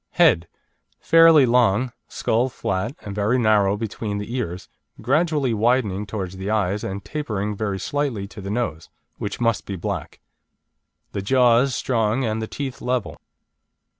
HEAD Fairly long, skull flat and very narrow between the ears, gradually widening towards the eyes and tapering very slightly to the nose, which must be black. The jaws strong and the teeth level.